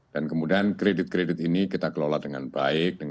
dan kemudian kredit kredit ini kita kelola dengan baik